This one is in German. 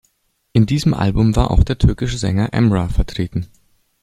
In diesem Album war auch der türkische Sänger Emrah vertreten.